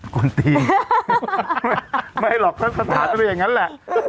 คนตีนไม่หรอกพระศาสตร์ต้องได้อย่างนั้นแหละ